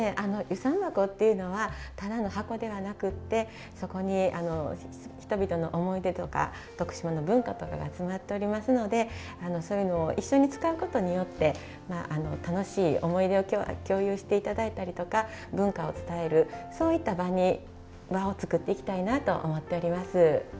遊山箱っていうのはただの箱ではなくってそこに人々の思い出とか徳島の文化とかが詰まっておりますのでそういうのを一緒に使うことによって楽しい思い出を共有して頂いたりとか文化を伝えるそういった場を作っていきたいなと思っております。